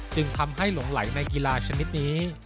จึงทำให้หลงไหลในกีฬาชนิดนี้